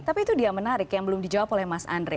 tapi itu dia menarik yang belum dijawab oleh mas andre